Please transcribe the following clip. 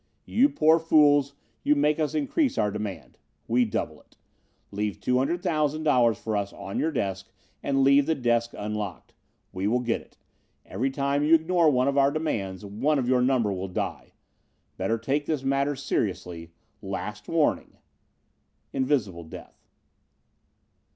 You poor fools, you make us increase our demand. We double it. Leave $200,000 for us on your desk and leave the desk unlocked. We will get it. Every time you ignore one of our demands, one of your number will die. Better take this matter seriously. Last warning. Invisible Death.